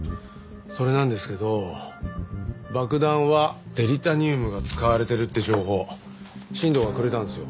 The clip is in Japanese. それなんですけど爆弾はデリタニウムが使われてるって情報新藤がくれたんですよ。